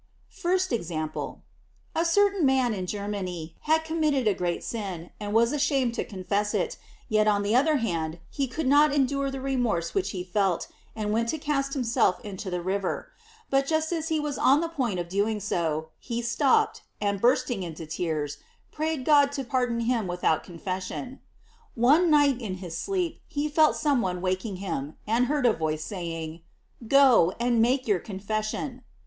f IST EXAMPLE. — A certain man in Germany * To. 2, tr. 6, prat. 20. t L. 8, de Deip. c. 18. 678 680 GLORIES OF MARY. had committed a great sin, and was ashamed to confess it, yet on the other hand lie could not endure the remorse which he felt, and went to cast himself into the river; but just as he was on the point of doing so, he stopped, and bursting into tears, prayed God to pardon him without confession. One night in his sleep he felt some one waking him, and heard a voice saying: Go and make your confession.